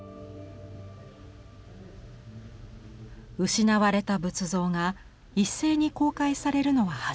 失われた仏像が一斉に公開されるのは初めてのことです。